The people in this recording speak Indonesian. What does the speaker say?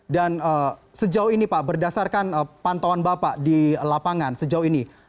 dan sejauh ini pak berdasarkan pantauan bapak di lapangan sejauh ini